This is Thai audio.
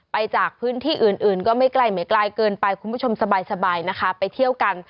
ไปจากพื้นที่อื่นก็ไม่ไกลเกินไปคุณผู้ชมสบายนะคะไปเที่ยวกัน